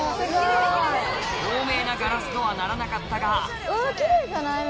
透明なガラスとはならなかったがキレイじゃない？